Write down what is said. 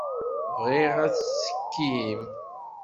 Bɣiɣ ad tettekkim.